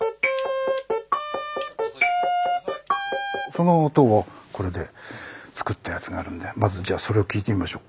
その音をこれで作ったやつがあるんでまずじゃそれを聴いてみましょう。